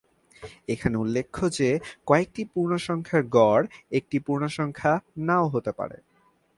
এখানে উল্লেখ্য যে কয়েকটি পূর্ণ সংখ্যার গড় একটি পূর্ণসংখ্যা নাও হতে পারে।